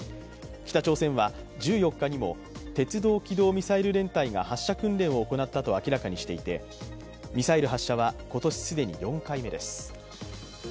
北朝鮮は１４日にも鉄道機動ミサイル連隊が発射訓練を行ったと明らかにしていてミサイル発射は今年既に４回目です